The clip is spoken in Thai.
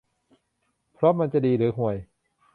เพราะมันจะดีจะห่วย